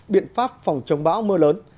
biện pháp phòng chống bão mưa lớn